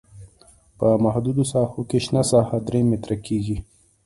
په محدودو ساحو کې شنه ساحه درې متره کیږي